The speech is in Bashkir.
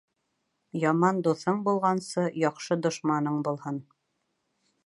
Яман дуҫың булғансы, яҡшы дошманың булһын.